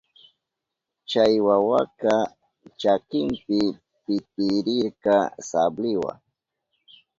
Chay wawaka chakinpi pitirirka sabliwa.